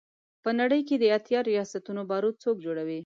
په نړۍ کې د اتیا ریاستونو بارود څوک جوړوي.